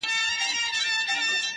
جانه ته ځې يوه پردي وطن ته،